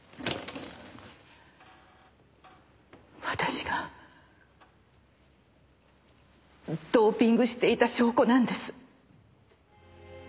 私がドーピングしていた証拠なんです。